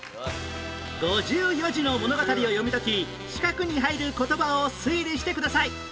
５４字の物語を読み解き四角に入る言葉を推理してください